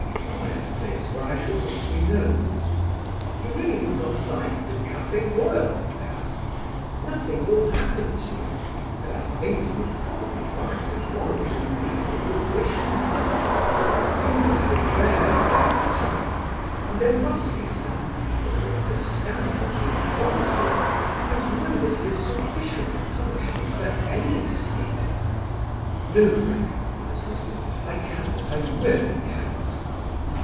"Some quiet place where I shall not be known." "You really would not like the Café Royal?" I asked. "Nothing will happen to you, and I think you would probably find that one or two people would wish you luck. You have had a rare bad time, and there must be some people who understand what you have gone through and know that it is sufficient punishment for any sin." "No, Frank," he persisted, "I cannot, I really cannot."